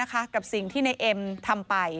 กับสิ่งที่ในเอ็มทำไป